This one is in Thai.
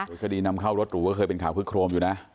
รถคันนี้นำเข้ารถดูก็เคยเป็นข่าวคือโครมอยู่นะ